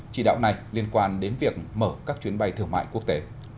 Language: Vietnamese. chỉ đạo này liên quan đến việc mở các chuyến bay thương mại quốc tế